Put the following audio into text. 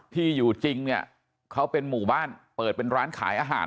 ที่อยู่จริงเนี่ยเขาเป็นหมู่บ้านเปิดเป็นร้านขายอาหาร